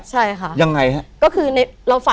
ใช่ค่ะ